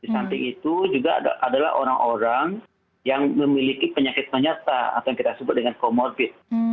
di samping itu juga adalah orang orang yang memiliki penyakit penyerta atau yang kita sebut dengan comorbid